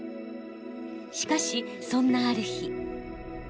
しかしそんなある日。